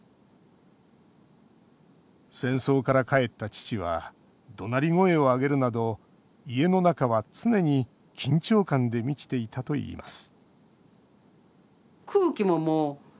戦争から帰った父はどなり声を上げるなど家の中は常に緊張感で満ちていたといいます